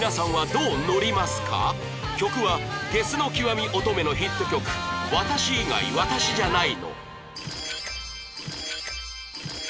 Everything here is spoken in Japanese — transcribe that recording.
曲はゲスの極み乙女のヒット曲『私以外私じゃないの』